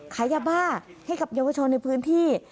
ขายยาบ้าให้กับเยาวชนในพื้นที่